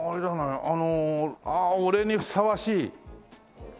ああ俺にふさわしい。